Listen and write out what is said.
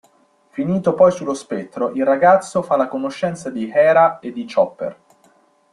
Finito poi sullo "Spettro", il ragazzo fa la conoscenza di Hera e di Chopper.